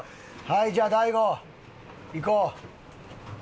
はいじゃあ大悟いこう。